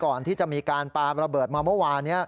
ก่อนที่จะมีการปาระเบิดมาเมื่อวานนี้